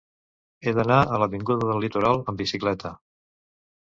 He d'anar a l'avinguda del Litoral amb bicicleta.